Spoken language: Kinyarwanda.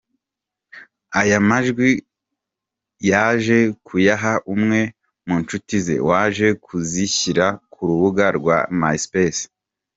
Aya majwi yaje kuyaha umwe mu nshuti ze, waje kuzishyira ku rubuga rwa Myspace.